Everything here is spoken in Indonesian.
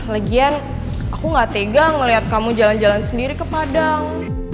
lagian aku nggak tegang melihat kamu jalan jalan sendiri ke padang